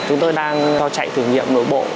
chúng tôi đang chạy thử nghiệm nổi bộ